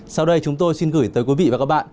sau đây chúng tôi xin gửi tới quý vị và các bạn